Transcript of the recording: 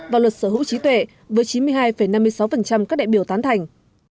và luật sở hữu trí tuệ với chín mươi hai năm mươi sáu các đại biểu tán thành